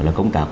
là công tác